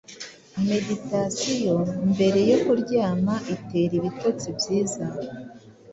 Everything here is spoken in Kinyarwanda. Meditation mbere yo kuryama itera ibitotsi byiza